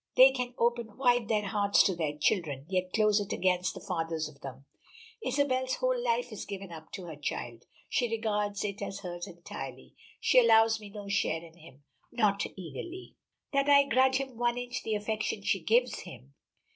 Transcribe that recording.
"They can open wide their hearts to their children, yet close it against the fathers of them. Isabel's whole life is given up to her child: she regards it as hers entirely; she allows me no share in him. Not," eagerly, "that I grudge him one inch the affection she gives him.